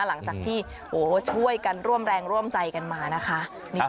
หลังจากที่ช่วยกันร่วมแรงร่วมใจกันมานะคะ